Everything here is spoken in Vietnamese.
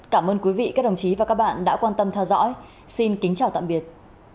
cảm ơn quý vị và các bạn đã quan tâm theo dõi xin kính chào tạm biệt